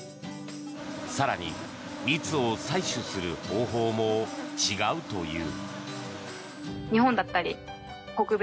更に、蜜を採取する方法も違うという。